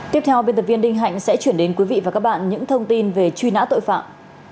tiếp theo biên tập viên đinh hạnh sẽ chuyển đến quý vị và các bạn những thông tin về truy nã tội phạm